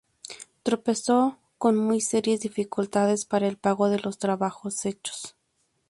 Tropezó con muy serias dificultades para el pago de los trabajos hechos.